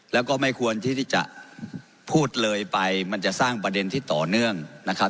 แล้วก็ไม่ควรที่ที่จะพูดเลยไปมันจะสร้างประเด็นที่ต่อเนื่องนะครับ